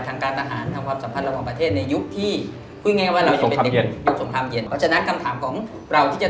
ทางการต่าหาล